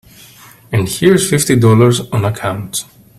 And here's fifty dollars on account.